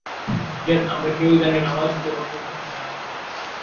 Gen, আমরা কেউই জানি না আমাদের হাতে কতটুকু সময় আছে।